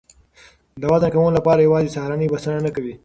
د وزن کمولو لپاره یوازې سهارنۍ بسنه نه کوي.